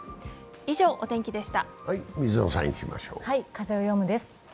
「風をよむ」です。